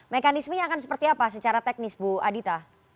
mekanismenya akan seperti apa secara teknis bu adita